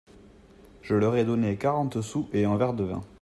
Je leur ai donné quarante sous… et un verre de vin !…